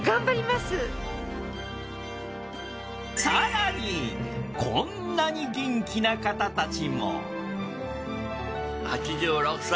更にこんなに元気な方たちも。